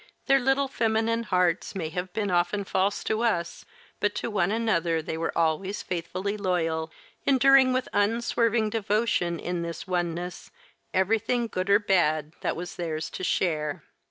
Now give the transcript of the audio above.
Their little feminine hearts may have been often false to us, but to one another they were always faithfully loyal, enduring with unswerving devotion in this oneness everything good or bad that was theirs to share.